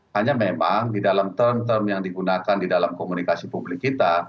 hanya memang di dalam term term yang digunakan di dalam komunikasi publik kita